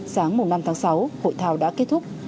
sáng năm tháng sáu hội thao đã kết thúc